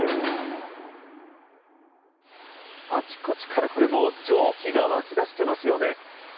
あちこちから蒸気が湧き出してますよね。